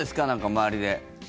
周りで。